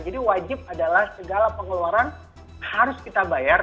jadi wajib adalah segala pengeluaran harus kita bayar